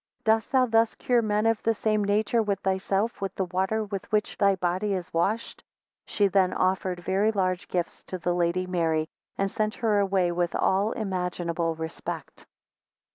36 Dost thou thus cure men of the same nature with thyself, with the water with which thy body is washed? 37 She then offered very large gifts to the Lady Mary, and sent her away with all imaginable respect.